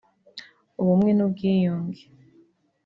Ubumwe n'ubwiyunge